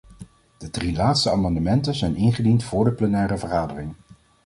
De drie laatste amendementen zijn ingediend voor de plenaire vergadering.